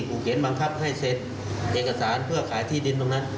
เขียนบังคับให้เซ็นเอกสารเพื่อขายที่ดินตรงนั้น